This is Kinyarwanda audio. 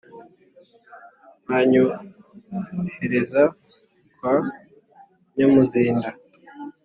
banyohereza kwa nyamuzinda